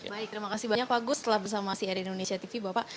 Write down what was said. baik terima kasih banyak pak gus setelah bersama si rin indonesia tv bapak